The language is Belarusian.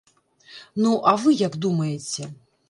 Ну, а вы як думаеце?